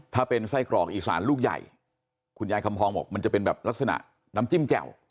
ถ้าเป็นไส้กรอกอีสานลูกใหญ่คุณยายคำพองบอกมันจะเป็นแบบลักษณะน้ำจิ้มแจ่ว